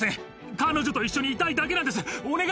彼女と一緒にいたいだけなんです。